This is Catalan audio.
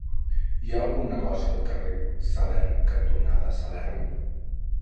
Hi ha algun negoci al carrer Salern cantonada Salern?